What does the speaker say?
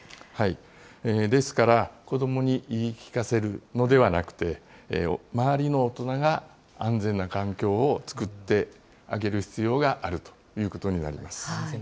ですから、子どもに言い聞かせるのではなくて、周りの大人が、安全な環境を作ってあげる必要があるということになります。